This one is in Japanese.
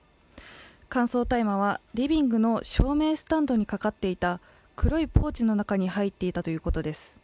乾燥大麻は、リビングの照明スタンドにかかっていた、黒いポーチの中に入っていたということです。